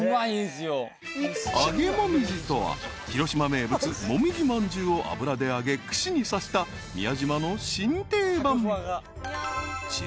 ［揚げもみじとは広島名物もみじ饅頭を油で揚げ串に刺した宮島の新定番］